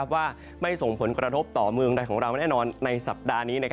ว่าไม่ส่งผลกระทบต่อเมืองใดของเราแน่นอนในสัปดาห์นี้